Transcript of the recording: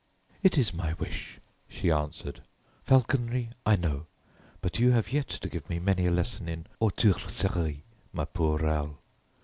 "It is my wish," she answered. "Falconry I know, but you have yet to give me many a lesson in Autourserie, my poor Raoul.